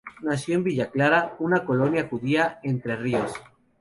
Nació en Villa Clara, una colonia judía de Entre Ríos.